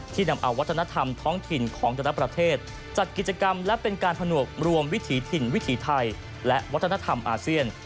นำเอาวัฒนธรรมท้องถิ่นของแต่ละประเทศจัดกิจกรรมและเป็นการผนวกรวมวิถีถิ่นวิถีไทยและวัฒนธรรมอาเซียน